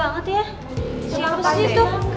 eh tetep aja deh